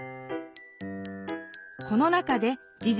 この中で事